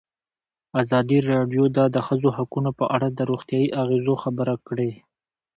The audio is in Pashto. ازادي راډیو د د ښځو حقونه په اړه د روغتیایي اغېزو خبره کړې.